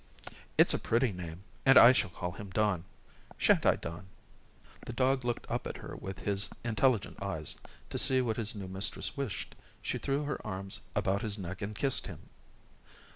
"It's a pretty name, and I shall call him Don. Shan't I, Don?" The dog looked up at her with his intelligent eyes to see what his new mistress wished. She threw her arms about his neck and kissed him.